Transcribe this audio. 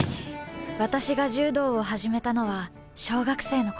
私が柔道を始めたのは小学生の頃。